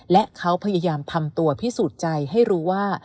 และเขาพยายามทำตัวพิสูจน์ใจให้รู้ว่า